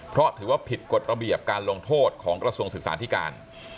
เพราะถือว่าผิดกฎระเบียบการลงโทษของกระทรวงศึกษาธิการ